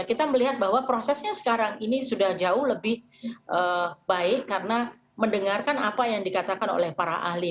kita melihat bahwa prosesnya sekarang ini sudah jauh lebih baik karena mendengarkan apa yang dikatakan oleh para ahli